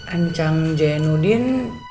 ancang jaya nudin